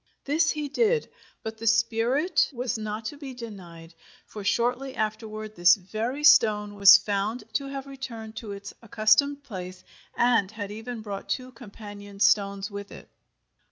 This he did, but the spirit was not to be denied, for shortly afterward this very stone was found to have returned to its accustomed place, and had even brought two companion stones with it!